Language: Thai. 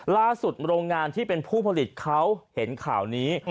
โรงงานที่เป็นผู้ผลิตเขาเห็นข่าวนี้